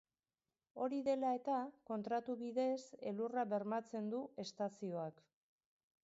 Hori dela eta, kontratu bidez elurra bermatzen du estazioak.